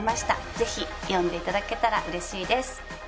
ぜひ読んでいただけたらうれしいです。